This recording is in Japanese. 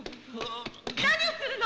何をするの！